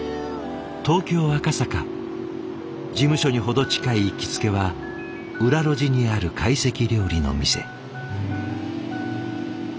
事務所に程近い行きつけは裏路地にある懐石料理の店。